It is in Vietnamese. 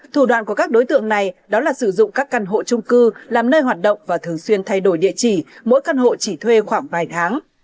thủ đoạn của các đối tượng này đó là sử dụng các căn hộ trung cư làm nơi hoạt động và thường xuyên thay đổi địa chỉ mỗi căn hộ chỉ thuê khoảng vài tháng